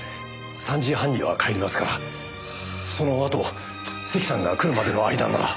３時半には帰りますからそのあと関さんが来るまでの間なら。